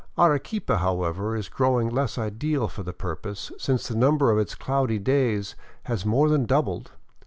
Arequipa, however, is growing less ideal for the purpose, since the number of its cloudy days has more than doubled.